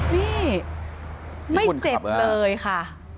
ไม่เจ็บเลยค่ะ